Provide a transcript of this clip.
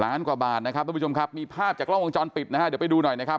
กว่าบาทนะครับทุกผู้ชมครับมีภาพจากกล้องวงจรปิดนะฮะเดี๋ยวไปดูหน่อยนะครับ